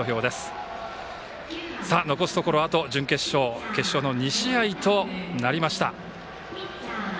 残すところあと準決勝、決勝の２試合となりました。